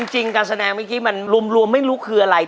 การแสดงเมื่อกี้มันรวมไม่รู้คืออะไร